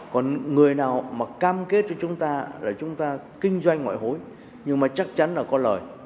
còn người nào mà cam kết với chúng ta là chúng ta kinh doanh ngoại hối nhưng mà chắc chắn là có lời